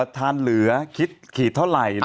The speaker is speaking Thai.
ทานเหลือคิดขีดเท่าไหร่